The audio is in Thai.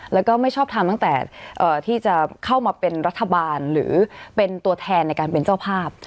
แล้วก็ไม่ชอบทำตั้งแต่ที่จะเข้ามาเป็นรัฐบาลหรือเป็นตัวแทนในการเป็นเจ้าภาพ